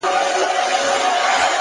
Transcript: د هدف وضاحت ژوند منظموي!